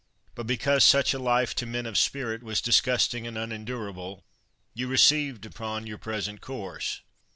But because such a life, to men of spirit, was disgusting and unendurable, you received upon your present course.